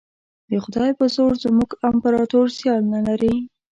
د خدای په زور زموږ امپراطور سیال نه لري.